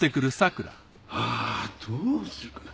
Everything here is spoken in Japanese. ああどうするかな？